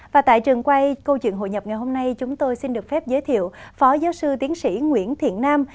và tại trường quay câu chuyện hội nhập ngày hôm nay chúng tôi xin được phép giới thiệu phó giáo sư tiến sĩ nguyễn thiện nam